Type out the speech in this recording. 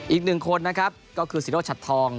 อีกหนึ่งคนนะครับก็คือศิโรชัดทอง